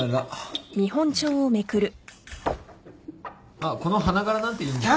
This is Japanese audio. あっこの花柄なんていいんじゃ。